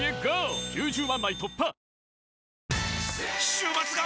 週末が！！